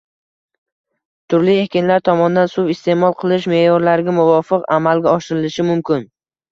turli ekinlar tomonidan suv iste’mol qilish me’yorlariga muvofiq amalga oshirilishi mumkin.